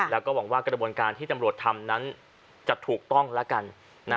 แล้วก็หวังว่ากระบวนการที่ตำรวจทำนั้นจะถูกต้องแล้วกัน